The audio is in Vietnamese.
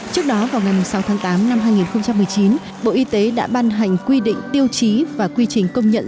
trước đó vào ngày sáu tháng tám năm hai nghìn một mươi chín bộ y tế đã ban hành quy định tiêu chí và quy trình công nhận